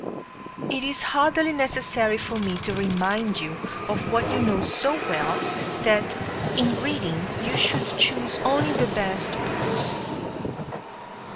It is hardly necessary for me to remind you of what you know so well, that in reading you should choose only the best books.